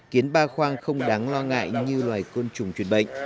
kiến ba khoang không đáng lo ngại như loài côn trùng truyền bệnh